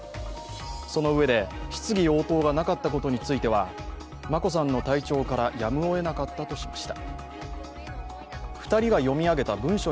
そのうえで、質疑応答がなかったことについては眞子さんの体調からやむをえなかったとしました。